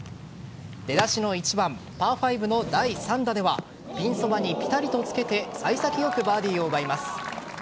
出だしの１番パー５の第３打ではピンそばにピタリとつけて幸先良くバーディーを奪います。